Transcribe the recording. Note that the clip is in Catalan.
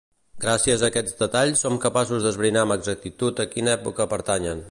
Gràcies a aquests detalls som capaços d'esbrinar amb exactitud a quina època pertanyen.